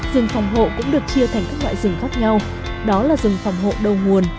rừng phòng hộ cũng được chia thành các loại rừng khác nhau đó là rừng phòng hộ đầu nguồn